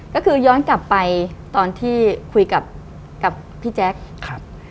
ก็คือย้อนกลับไปตอนที่คุยกับพี่แจ๊ค